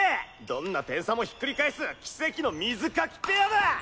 どんな点差もひっくり返す奇跡の水かきペアだ！